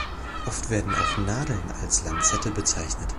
Oft werden auch Nadeln als Lanzette bezeichnet.